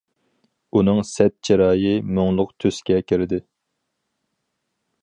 ئۇنىڭ سەت چىرايى مۇڭلۇق تۈسكە كىردى.